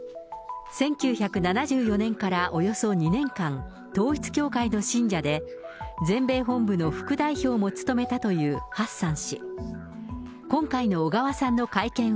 １９７４年からおよそ２年間、統一教会の信者で、全米本部の副代表も務めたというハッサン氏。